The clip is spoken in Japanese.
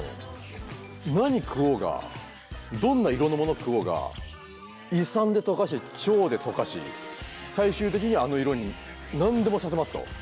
何食おうがどんな色のもの食おうが胃酸で溶かして腸で溶かし最終的にはあの色に何でもさせますと。